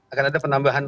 akan ada penambahan